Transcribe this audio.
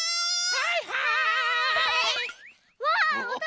はいはい！